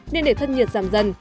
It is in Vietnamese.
nên để thân nhiệt giảm dần